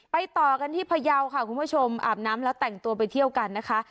ต่อกันที่พยาวค่ะคุณผู้ชมอาบน้ำแล้วแต่งตัวไปเที่ยวกันนะคะ